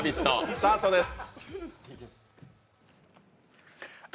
スタートです。